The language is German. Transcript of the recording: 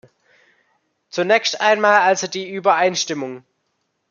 Zunächst einmal also die Übereinstimmung.